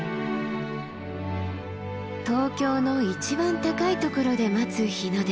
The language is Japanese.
東京の一番高いところで待つ日の出。